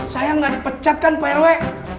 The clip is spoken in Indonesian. saya gak dipecatkan perwe